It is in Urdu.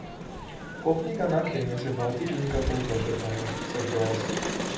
کوہلی کے نہ کھیلنے سے بھارتی ٹیم کو فرق پڑسکتا ہے سرفراز